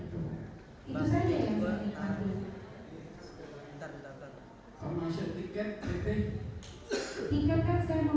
kamu memang saudara tidak tahu